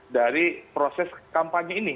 dari proses kampanye ini